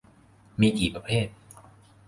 มีกี่ประเภท